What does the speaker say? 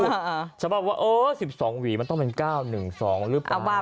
ชาวบ้านจะเรียกว่าเออสิบสองหวีมันต้องเป็นก้าวหนึ่งสองหรือเปล่า